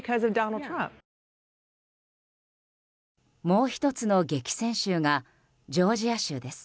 もう１つの激戦州がジョージア州です。